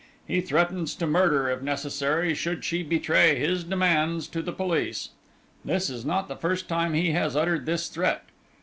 He threatens to murder, if necessary, should she betray his demands to the police. This is not the first time he has uttered this threat.